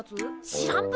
しらんぷ！？